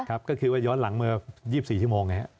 ครับก็คือว่าย้อนหลังเมื่อ๒๔ชั่วโมงนะครับ